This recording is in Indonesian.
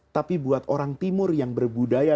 tapi buat orang timur yang berbudaya